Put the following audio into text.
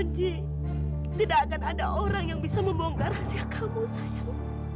anji tidak akan ada orang yang bisa membongkar rahasia kamu sayang